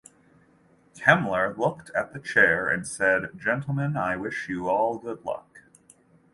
Kemmler looked at the chair and said: Gentlemen, I wish you all good luck.